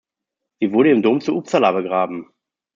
Sie wurde im Dom zu Uppsala begraben.